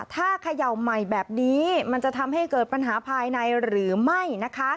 ถ้าเขย่าใหม่แบบนี้มันจะทำให้เกิดปัญหาภายในหรือไม่นะคะ